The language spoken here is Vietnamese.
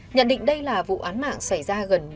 nhận định đây là vụ án mạng xảy ra gần một mươi ba năm